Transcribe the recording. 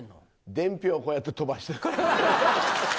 伝票、こうやって飛ばしてる。